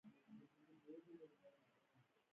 د هیواد چارې یې په لاس کې واخیستې او پر تخت کښېناست.